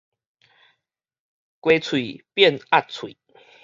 雞喙變鴨喙